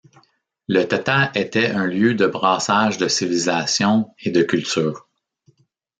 Le Tata était un lieu de brassage de civilisations et de cultures.